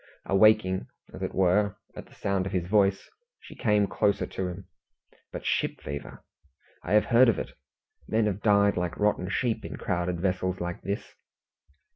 Awaking, as it were, at the sound of his voice, she came closer to him. "But ship fever! I have heard of it! Men have died like rotten sheep in crowded vessels like this."